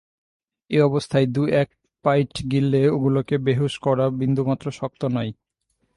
এই অবস্থায় দু-এক পাঁইট গিলিয়ে ওগুলোকে বেহুঁশ করা বিন্দুমাত্র শক্ত নয়।